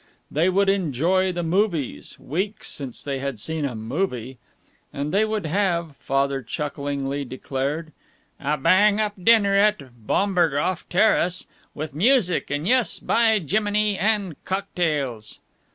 They would enjoy the movies weeks since they had seen a movie! And they would have, Father chucklingly declared, "a bang up dinner at Bomberghof Terrace, with music, and yes, by Jiminy! and cocktails!"